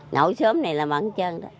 ngồi sớm này là bằng chân đó